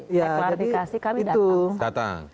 saya klarifikasi kami datang